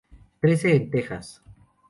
Crece en Texas.